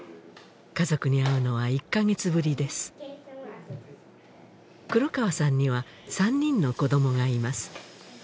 家族に会うのは１か月ぶりです黒川さんには３人の子どもがいます